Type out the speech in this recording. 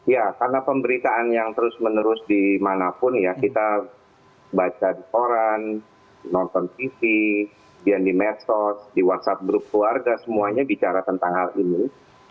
ya karena pemberitaan yang terus menerus dimanapun ya kita baca di koran nonton tv kemudian di medsos di whatsapp group keluarga semuanya bicara tentang hal ini